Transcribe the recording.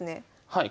はい。